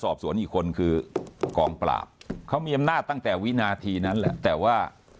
สอบสวนอีกคนคือกองปราบเขามีอำนาจตั้งแต่วินาทีนั้นแหละแต่ว่า